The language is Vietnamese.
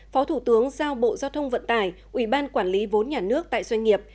phó thủ tướng giao bộ giao thông vận tải ubnd quản lý vốn nhà nước tại doanh nghiệp